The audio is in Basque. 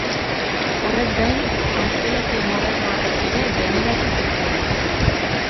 Horrez gain konstelazio moderno batzuk ere gaineratu zituen.